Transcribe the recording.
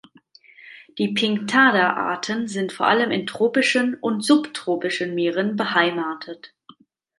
Die "Pinctada"-Arten sind vor allem in tropischen und subtropischen Meeren beheimatet.